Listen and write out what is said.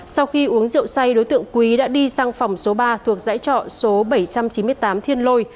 hai nghìn hai mươi một sau khi uống rượu say đối tượng quý đã đi sang phòng số ba thuộc giải trọ số bảy trăm chín mươi tám thiên lôi